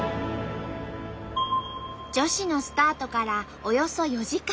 女子のスタートからおよそ４時間。